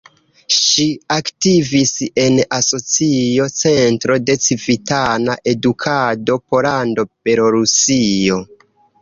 Ŝi aktivis en Asocio Centro de Civitana Edukado Pollando-Belorusio.